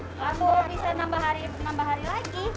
kalau bisa nambah hari lagi